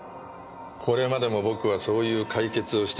これまでも僕はそういう解決をしてきたはずです。